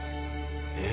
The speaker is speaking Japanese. えっ？